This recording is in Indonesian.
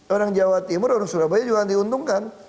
orang jawa timur orang surabaya juga akan diuntungkan